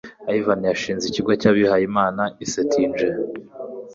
Ivan yashinze ikigo cy'abihaye Imana i Cetinje,